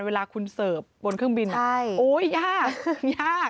เวลาคุณเสิร์ฟบนเครื่องบินโอ๊ยยากยาก